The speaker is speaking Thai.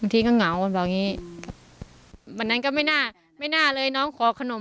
บางทีก็เหงาแบบแบบนี้อืมวันนั้นก็ไม่น่าไม่น่าเลยน้องขอขนม